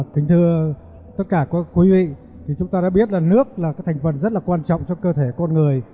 kính thưa tất cả các quý vị thì chúng ta đã biết là nước là thành phần rất là quan trọng cho cơ thể con người